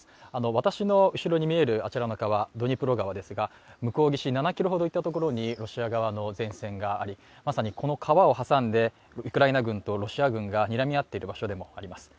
私の後ろに見えるあちらの川、ドニプロ川ですが向こう岸７ｋｍほど行ったところにロシア側の前線がありまさにこの川を挟んでウクライナ軍とロシア軍がにらみ合っている場所でもあります。